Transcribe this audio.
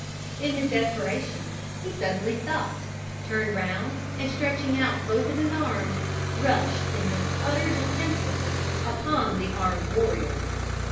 In his desperation he suddenly stopped, turned round and stretching out both of his arms, rushed, in his utter defencelessness, upon the armed warrior.